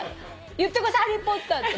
言ってくださいハリー・ポッターって。